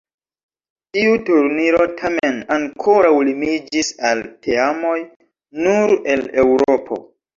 Tiu turniro tamen ankoraŭ limiĝis al teamoj nur el Eŭropo.